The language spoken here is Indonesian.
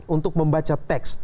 kita harus membaca teks